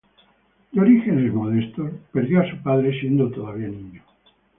De orígenes modestos, perdió a su padre siendo todavía niño.